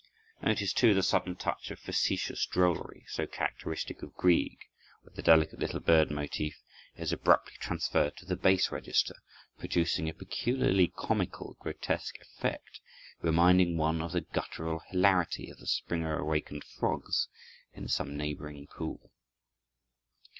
Notice, too, the sudden touch of facetious drollery, so characteristic of Grieg, where the delicate little bird motive is abruptly transferred to the bass register, producing a peculiarly comical, grotesque effect, reminding one of the gutteral hilarity of the spring awakened frogs in some neighboring pool.